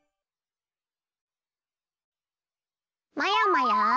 まやまや！